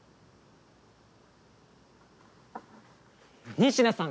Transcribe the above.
仁科さん